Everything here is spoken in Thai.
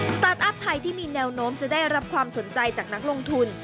ตาร์ทอัพไทยที่มีแนวโน้มจะได้รับความสนใจจากนักลงทุน